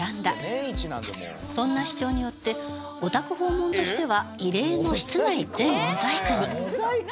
そんな主張によってお宅訪問としては異例の室内全モザイクに。